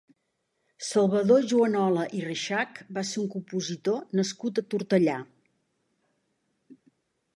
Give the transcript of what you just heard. Salvador Juanola i Reixach va ser un compositor nascut a Tortellà.